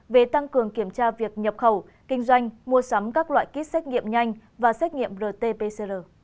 về tăng cường kiểm tra việc nhập khẩu kinh doanh mua sắm các loại kit xét nghiệm nhanh và xét nghiệm rt pcr